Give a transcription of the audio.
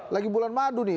lagi bulan madu nih